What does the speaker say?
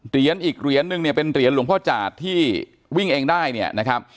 เหรียญอีกเหรียญหนึ่งเนี่ยเป็นเหรียญลุงพเจ้าจากที่วิ่งเองได้เนี่ยนะครับ